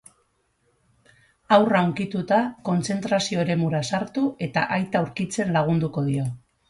Haurra hunkituta, kontzentrazio eremura sartu eta aita aurkitzen lagunduko dio.